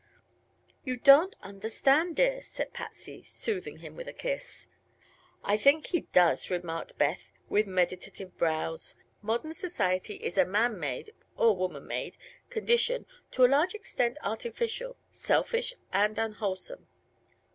"You don't understand, dear," said Patsy, soothing him with a kiss. "I think he does," remarked Beth, with meditative brows. "Modern society is a man made or woman made condition, to a large extent artificial, selfish and unwholesome."